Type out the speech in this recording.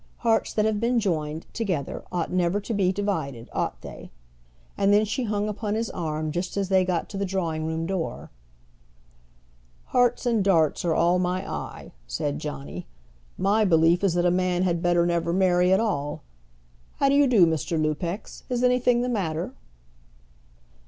Hearts that have been joined together ought never to be divided; ought they?" And then she hung upon his arm just as they got to the drawing room door. "Hearts and darts are all my eye," said Johnny. "My belief is that a man had better never marry at all. How d'you do, Mr. Lupex? Is anything the matter?"